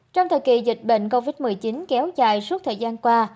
trong thời kỳ dịch bệnh covid một mươi chín kéo dài suốt thời gian qua